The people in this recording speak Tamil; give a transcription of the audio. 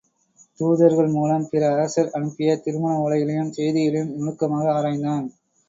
தூதர்கள் மூலம் பிற அரசர் அனுப்பிய திருமண ஓலைகளையும் செய்திகளையும் நுணுக்கமாக ஆராய்ந்தான்.